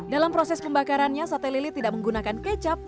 dalam proses pembakarannya sate lili tidak menggunakan kecap